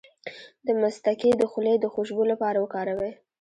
د مصطکي د خولې د خوشبو لپاره وکاروئ